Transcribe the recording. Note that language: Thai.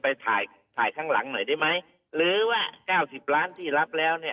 ไปถ่ายถ่ายข้างหลังหน่อยได้ไหมหรือว่าเก้าสิบล้านที่รับแล้วเนี่ย